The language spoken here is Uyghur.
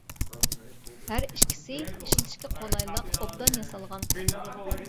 ھەر ئىككىسى ئىشلىتىشكە قولايلىق، ئوبدان ياسالغان.